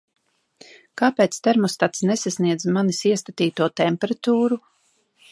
Kāpēc termostats nesasniedz manis iestatīto temperatūru?